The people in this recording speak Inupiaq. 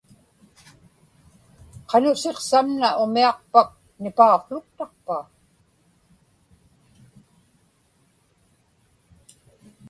qanusiq samna umiaqpak nipauqłuktaqpa?